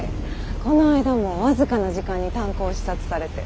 この間も僅かな時間に炭鉱を視察されて。